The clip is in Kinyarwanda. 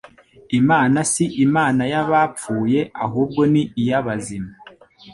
Imana si Imana y'abapfuye ahubwo ni iy'abazima.»